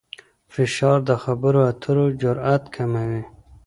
فشار د خبرو اترو جرئت کموي.